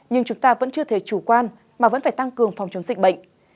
nhưng chúng ta vẫn chưa thể chủ quan mà vẫn phải tăng cường phòng chống dịch bệnh